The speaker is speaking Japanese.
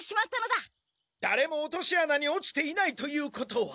だれも落とし穴に落ちていないということは。